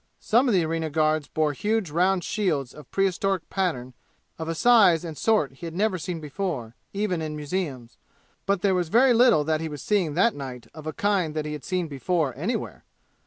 Some of the arena guards bore huge round shields of prehistoric pattern of a size and sort he had never seen before, even in museums. But there was very little that he was seeing that night of a kind that he had seen before anywhere!